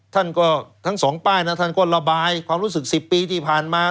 ท่านก็ทั้งสองป้ายนะท่านก็ระบายความรู้สึก๑๐ปีที่ผ่านมา